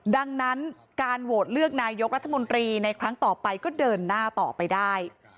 ดังนั้นการโหวตเลือกนายกรัฐมนตรีในครั้งต่อไปก็เดินหน้าต่อไปได้